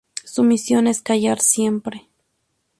Su misión es callar siempre.